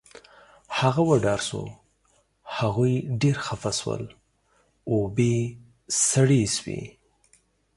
هغه وډار شو، هغوی ډېر خفه شول، اوبې سړې شوې